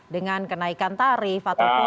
dengan kenaikan tarif atau